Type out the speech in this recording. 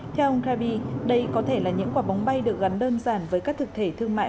theo ông cabi đây có thể là những quả bóng bay được gắn đơn giản với các thực thể thương mại